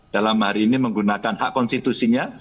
dalam hari ini menggunakan hak konstitusinya